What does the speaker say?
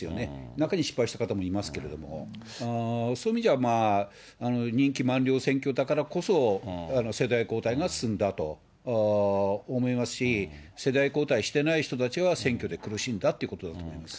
中には、失敗した方もいますけれども、そういう意味じゃ、まあ、任期満了選挙だからこそ、世代交代が進んだと思いますし、世代交代してない人たちは、選挙で苦しんだということだと思います。